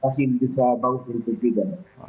pasti bisa bagus untuk kita